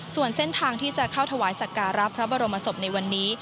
ส่วนเส้นทางที่จะเข้าถวายสักการะพระบรมศพในวันนี้